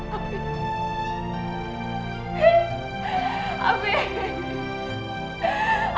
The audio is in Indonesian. aku mau ke rumah